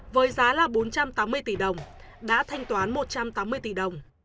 với giá là bốn trăm tám mươi tỷ đồng đã thanh toán một trăm tám mươi tỷ đồng